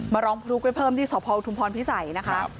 มาร้องทุกข์ได้เพิ่มที่สอโพอุทุมพรพิษัยนะคะ